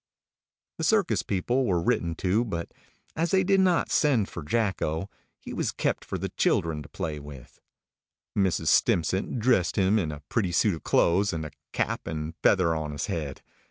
The circus people were written to, but as they did not send for Jacko, he was kept for the children, to play with. Mrs. Stimpcett dressed him in a pretty suit of clothes, with a cap and feather on his head.